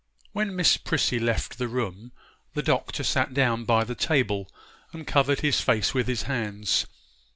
WHEN Miss Prissy left the room the Doctor sat down by the table, and covered his face with his hands.